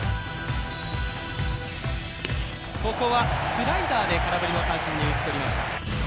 ここはスライダーで空振り三振に打ち取りました。